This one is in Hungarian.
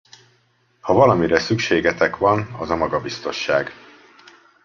Ha valamire szükségetek van, az a magabiztosság.